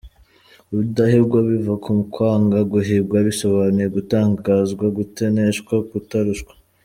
Rudahigwa biva ku kwanga guhigwa bisobanuye kutaganzwa, kutaneshwa, kutarushwa.